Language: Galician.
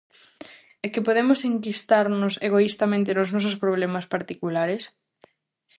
E que podemos enquistarnos egoistamente nos nosos problemas particulares?